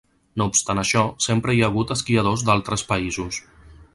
No obstant això, sempre hi ha hagut esquiadors d'altres països.